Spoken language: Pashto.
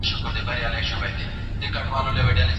هغه د ټولنې لپاره د معنوي لارښود رول درلود.